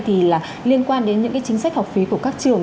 thì là liên quan đến những cái chính sách học phí của các trường